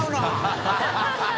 ハハハ